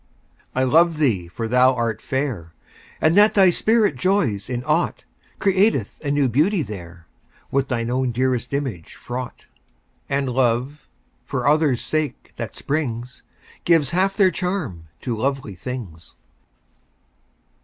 I love thee for that thou art fair; And that thy spirit joys in aught Createth a new beauty there, With throe own dearest image fraught; And love, for others' sake that springs, Gives half their charm to lovely things.